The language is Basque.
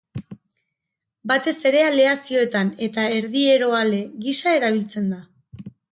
Batez ere aleazioetan eta erdieroale gisa erabiltzen da.